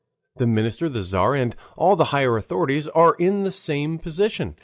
The minister, the Tzar, and all the higher authorities are in the same position.